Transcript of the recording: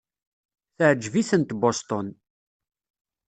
Teɛjeb-itent Boston.